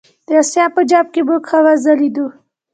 د آسیا په جام کې موږ ښه وځلیدو.